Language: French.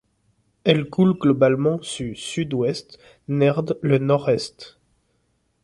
Elle coule globalement su sud-ouest nerd le nord-est.